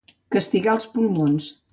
Castigar els pulmons.